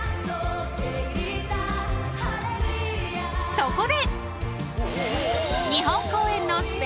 ［そこで］